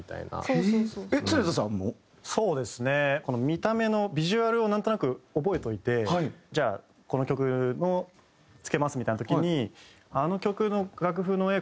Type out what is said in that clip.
見た目のビジュアルをなんとなく覚えといてじゃあこの曲のつけますみたいな時にあの曲の楽譜の絵